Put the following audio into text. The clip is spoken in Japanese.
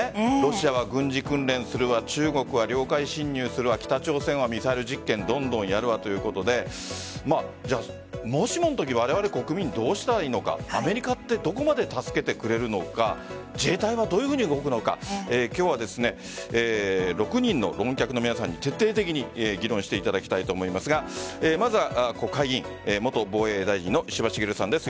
ロシアは軍事訓練するわ中国は領海侵入するわ北朝鮮はミサイル実験どんどんやるわということでもしもの時、われわれ国民はどうしたらいいのかアメリカってとこまで助けてくれるのか自衛隊はどう動くのか今日は６人の論客の皆さんに徹底的に議論していただきたいと思いますがまずは国会議員、元防衛大臣の石破茂さんです。